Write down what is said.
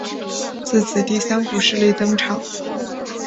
自此第三股势力登场。